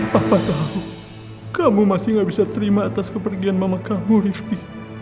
papa tahu kamu masih gak bisa terima atas kepergian mama kamu rifi